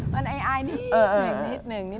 มันอายอายนิดนึง